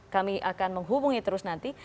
kami akan menghubungi terus nanti